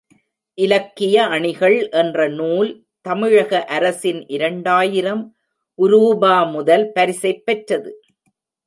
இலக்கிய அணிகள் என்ற நூல் தமிழக அரசின் இரண்டாயிரம் உரூபா முதல் பரிசைப் பெற்றது.